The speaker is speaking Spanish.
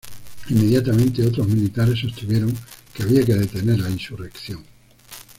Inmediatamente otros militares sostuvieron que había que detener la insurrección.